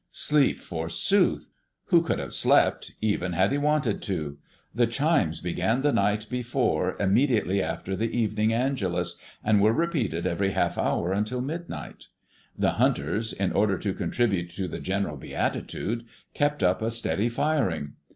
Sleep, forsooth! Who could have slept even had he wanted to? The chimes began the night before immediately after the evening Angelus, and were repeated every half hour until midnight. The hunters, in order to contribute to the general beatitude, kept up a steady firing.